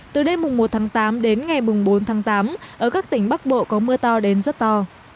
từ đêm một tháng tám đến ngày bốn tháng tám ở các tỉnh bắc bộ có mưa to đến rất to